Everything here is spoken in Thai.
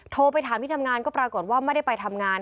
โทรไปถามที่ทำงานก็ปรากฏว่าไม่ได้ไปทำงาน